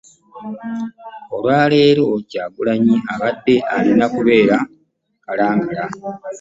Olwa leero Kyagulanyi abadde alina kubeera Kalangala